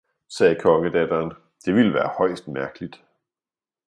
sagde kongedatteren, det ville være højst mærkeligt!